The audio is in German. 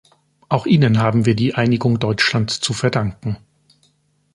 Auch ihnen haben wir die Einigung Deutschlands zu verdanken.